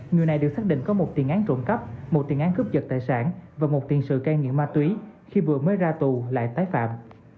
người này được xác định có một tiền án trộm cắp một tiền án cướp giật tài sản và một tiền sự cai nghiện ma túy khi vừa mới ra tù lại tái phạm